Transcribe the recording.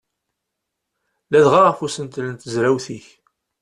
Ladɣa ɣef usentel n tezrawt-ik.